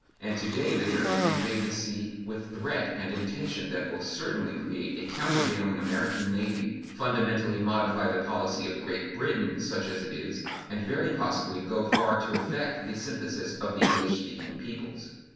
And to day the Germans invade the sea with a threat and intention that will certainly create a countervailing American navy, fundamentally modify the policy of Great Britain, such as it is, and very possibly go far to effect the synthesis of the English speaking peoples.